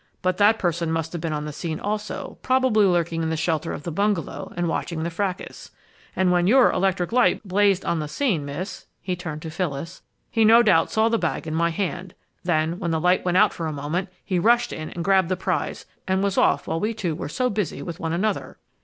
But that person must have been on the scene also, probably lurking in the shelter of the bungalow and watching the fracas. And when your electric light blazed on the scene, Miss," he turned to Phyllis, "he no doubt saw the bag in my hand. Then, when the light went out for a moment, he rushed in and grabbed the prize and was off while we two were so busy with one another!